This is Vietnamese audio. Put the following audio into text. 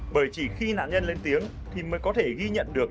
bởi chỉ khi nạn nhân lên tiếng thì mới có thể ghi nhận được